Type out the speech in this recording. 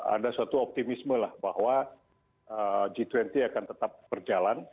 ada suatu optimisme lah bahwa g dua puluh akan tetap berjalan